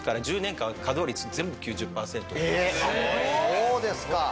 そうですか。